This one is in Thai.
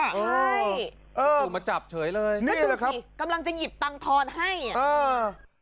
ใช่ถูกมาจับเฉยเลยไม่ถูกสิกำลังจะหยิบตังธรณ์ให้นี่แหละครับ